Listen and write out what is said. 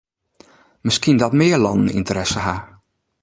Miskien dat mear lannen ynteresse ha.